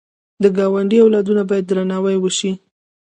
د ګاونډي اولادونه باید درناوی وشي